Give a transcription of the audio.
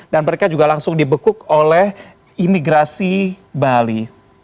mereka juga langsung dibekuk oleh imigrasi bali